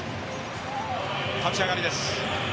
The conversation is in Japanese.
立ち上がりです。